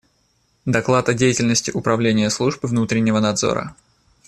Доклад о деятельности Управления служб внутреннего надзора.